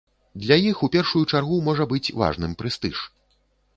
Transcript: Для іх у першую чаргу можа быць важным прэстыж.